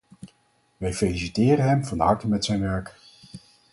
Wij feliciteren hem van harte met zijn werk.